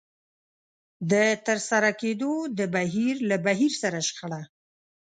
د ترسره کېدو د بهير له بهير سره شخړه.